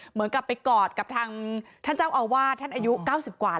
เหมือนกับไปกอดกับทางท่านเจ้าอาวาสท่านอายุ๙๐กว่า